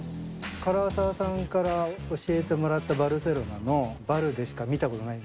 ・唐沢さんから教えてもらったバルセロナのバルでしか見たことないんです。